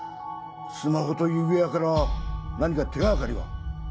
スマホと指輪から何か手掛かりは？